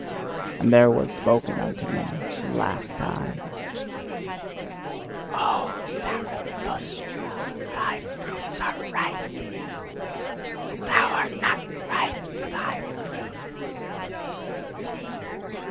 And there was spoken unto me for the last time: "O Zarathustra, thy fruits are ripe, but thou art not ripe for thy fruits!